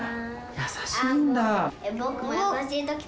優しいんだ。